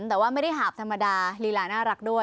แต่ว่าไม่ได้หาบธรรมดาลีลาน่ารักด้วย